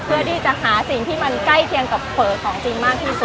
เพื่อที่จะหาสิ่งที่มันใกล้เคียงกับเผลอของจริงมากที่สุด